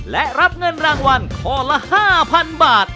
และรับเงินรางวัลข้อละ๕๐๐๐บาท